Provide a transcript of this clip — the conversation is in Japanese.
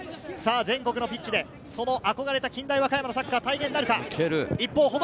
全国のピッチで憧れた近大和歌山のサッカーの体現なるか？